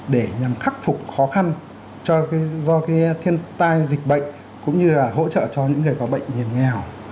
để nhằm khắc phục khó khăn do thiên tai dịch bệnh cũng như là hỗ trợ cho những người có bệnh hiểm nghèo